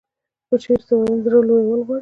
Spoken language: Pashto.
په شعر څه ويل زړه لويول غواړي.